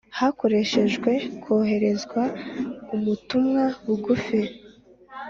hakoreshejwe koherezwa umutumwa bugufi